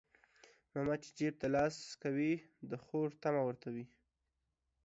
ماما چى جيب ته لاس کوى د خورى طعمه ورته وى.